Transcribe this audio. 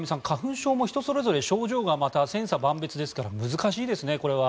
花粉症も人それぞれ症状がまた千差万別ですからこれは難しいですね。